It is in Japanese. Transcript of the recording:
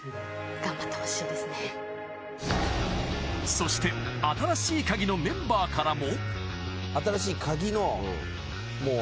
そして新しいカギのメンバーからも。